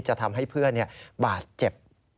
จะทำให้เพื่อนบาดเจ็บ